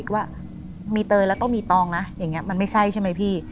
ว่ามีเตยแล้วต้องมีตองนะอย่างนี้มันไม่ใช่ใช่ไหมพี่